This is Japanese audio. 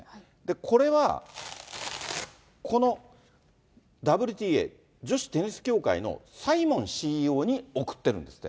これは、このＷＴＡ・女子テニス協会のサイモンＣＥＯに送ってるんですって。